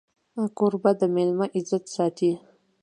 کوربه د مېلمه عزت ساتي.